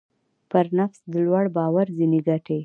پر نفس د لوړ باور ځينې ګټې.